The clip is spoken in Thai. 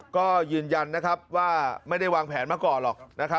ก็ยืนยันนะครับว่าไม่ได้วางแผนเมื่อก่อนหรอก